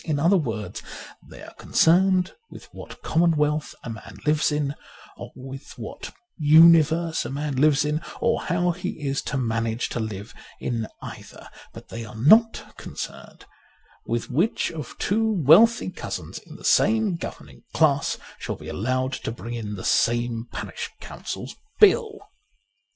In other words, they are concerned with what commonwealth a man lives in, or with what universe a man lives in, or how he is to manage to live in either. But they are not concerned with which of two wealthy cousins in the same govern ing class shall be allowed to bring in the same Parish Councils Bill.